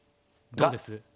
どうです？